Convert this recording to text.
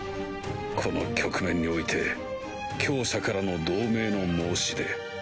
この局面において強者からの同盟の申し出